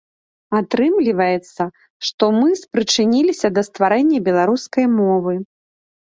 Атрымліваецца, што мы спрычыніліся да стварэння беларускай мовы.